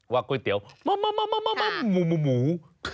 ว่าก๋วยเตี๋ยวมะหมู